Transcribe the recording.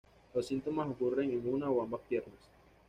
Los síntomas ocurren en una o ambas piernas.